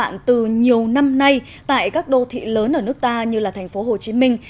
năm nay tại các đô thị lớn ở nước ta như là thành phố hồ chí minh